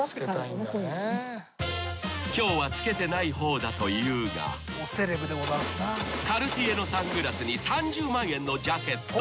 ［今日はつけてない方だと言うがカルティエのサングラスに３０万円のジャケット］